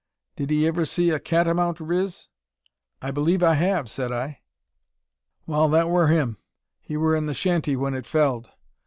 Did 'ee iver see a catamount riz?" "I believe I have," said I. "Wal, that wur him. He wur in the shanty when it felled.